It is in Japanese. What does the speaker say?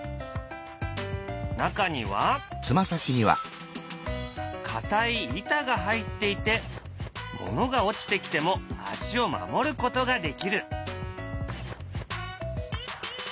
中にはかたい板が入っていて物が落ちてきても足を守ることができる。